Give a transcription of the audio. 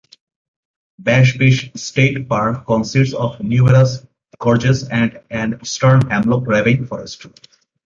Bash Bish State Park consists of numerous gorges and an eastern hemlock ravine forest.